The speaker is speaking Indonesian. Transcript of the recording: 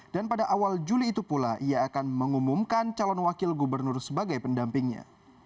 pada awal juli itu pula ia akan mengumumkan calon wakil gubernur sebagai pendampingnya